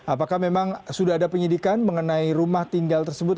apakah memang sudah ada penyidikan mengenai rumah tinggal tersebut